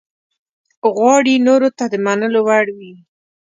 غواړي نورو ته د منلو وړ وي.